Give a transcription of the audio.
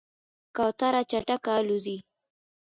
کوتره چټکه الوزي.